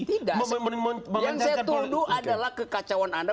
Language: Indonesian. tidak yang saya tuduh adalah kekacauan anda